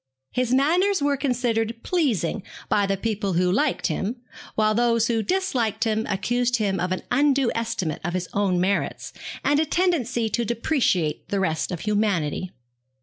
His manners were considered pleasing by the people who liked him; while those who disliked him accused him of an undue estimate of his own merits, and a tendency to depreciate the rest of humanity.